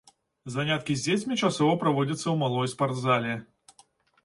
Заняткі з дзецьмі часова праводзяцца ў малой спартзале.